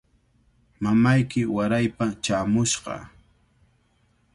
Mamayki waraypa chaamushqa.